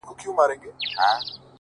ښه دی په دې ازمايښتونو کي به ځان ووينم _